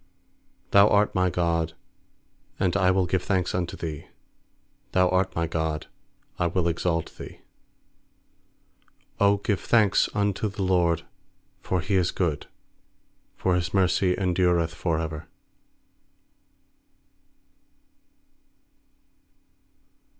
28Thou art my God, and I will give thanks unto Thee; Thou art my God, I will exalt Thee. 29Q give thanks unto the LORD, for He is good, For His mercy endureth for ever.